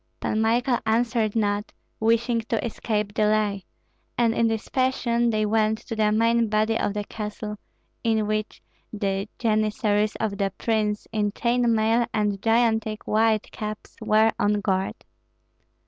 Pan Michael answered not, wishing to escape delay; and in this fashion they went to the main body of the castle, in which the janissaries of the prince, in chain mail and gigantic white caps, were on guard.